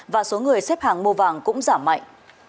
và số người xếp hàng mua vàng cũng giảm mạnh